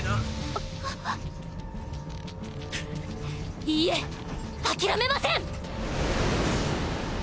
あいいえ諦めません！